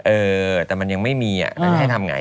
เออแต่มันยังไม่มีแล้วให้ทำยังไง